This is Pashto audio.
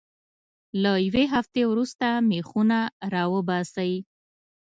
له یوې هفتې وروسته میخونه را وباسئ.